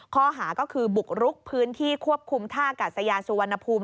ข้อหาก็คือบุกรุกพื้นที่ควบคุมท่ากาศยานสุวรรณภูมิ